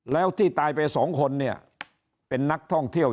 แล้วที่ตายไปสองคนเนี่ยเป็นนักท่องเที่ยว